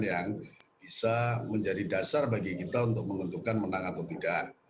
yang bisa menjadi dasar bagi kita untuk menguntungkan menang atau tidak